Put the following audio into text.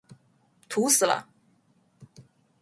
土死了！